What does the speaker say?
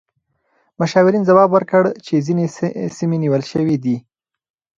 مشاورین ځواب ورکړ چې ځینې سیمې نیول شوې دي.